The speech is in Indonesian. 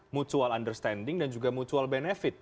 mutual understanding dan juga mutual benefit